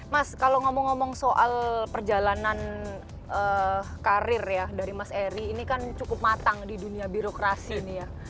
mas kalau ngomong ngomong soal perjalanan karir ya dari mas eri ini kan cukup matang di dunia birokrasi nih ya